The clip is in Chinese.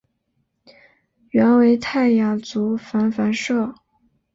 原为泰雅族芃芃社。